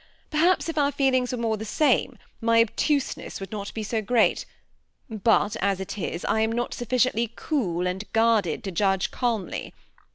Perhaps if oar feeliogs were more the same, my obtuseness would not be so great ; but, as it is, I am not sufficiently cool and guarded to judge calmly.